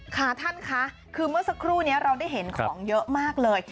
ค่ะท่านคะคือเมื่อสักครู่นี้เราได้เห็นของเยอะมากเลย